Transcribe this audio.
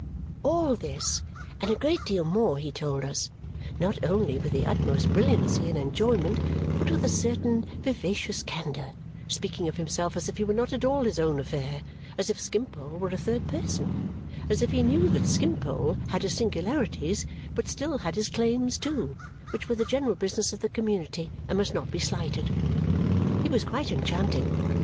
All this and a great deal more he told us, not only with the utmost brilliancy and enjoyment, but with a certain vivacious candour speaking of himself as if he were not at all his own affair, as if Skimpole were a third person, as if he knew that Skimpole had his singularities but still had his claims too, which were the general business of the community and must not be slighted. He was quite enchanting.